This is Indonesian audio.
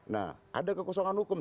nah ada kekosongan hukum